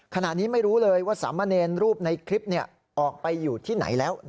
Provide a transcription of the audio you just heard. ขณะนี้ไม่รู้เลยว่าสามเณรรูปในคลิปออกไปอยู่ที่ไหนแล้ว